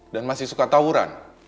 dan masih suka tawuran